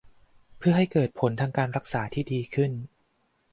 เพื่อให้เกิดผลทางการรักษาที่ดีขึ้น